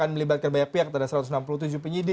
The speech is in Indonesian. pihak pihak ada satu ratus enam puluh tujuh penyidik